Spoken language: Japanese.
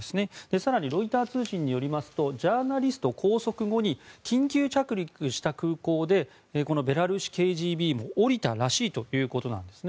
更にロイター通信によりますとジャーナリスト拘束後に緊急着陸した空港でベラルーシＫＧＢも降りたらしいということなんですね。